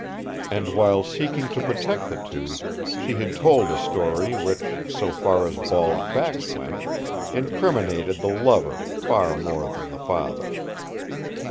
And, while seeking to protect the two, she had told a story which, so far as bald facts went, incriminated the lover far more than the father.